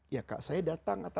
ya kak saya datang atas berita